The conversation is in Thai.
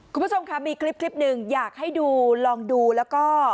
คุณผู้ชมค่ะมีคลิปหนึ่งอยากให้ดูลองดูแล้วก็